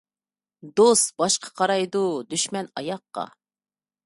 دوست باشقا قارايدۇ، دۈشمەن ئاياققا.